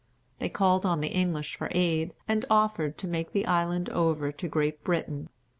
They called on the English for aid, and offered to make the island over to Great Britain.